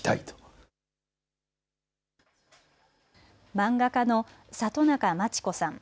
漫画家の里中満智子さん。